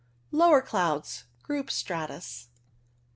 Lower clouds. Group Stratus.